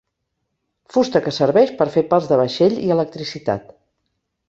Fusta que serveix per fer pals de vaixell i electricitat.